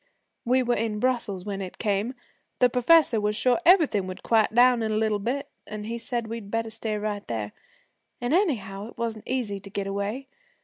'We were in Brussels when it came. The professor was sure everything would quiet down in a little bit, an' he said we'd better stay right there. And anyhow, it wasn't easy to get away.